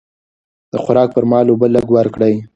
د خوراک پر مهال اوبه لږ ورکړئ.